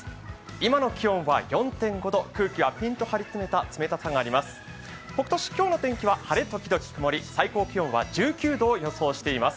今の気温は４．５度、空気はピンと張り詰めた冷たさがあります。